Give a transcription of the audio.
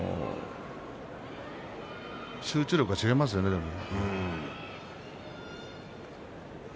集中力が違いますよね、でも。